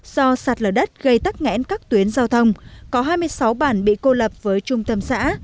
do sạt lở đất gây tắc nghẽn các tuyến giao thông có hai mươi sáu bản bị cô lập với trung tâm xã